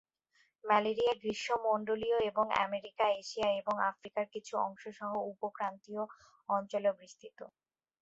Malaria গ্রীষ্মমন্ডলীয় এবং America, Asia এবং আফ্রিকার কিছু অংশ সহ উপ-ক্রান্তীয় অঞ্চলে বিস্তৃত।